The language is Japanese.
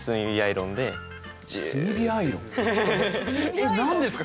えっ何ですか？